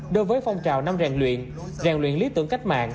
đối với phong trào năm ràng luyện ràng luyện lý tưởng cách mạng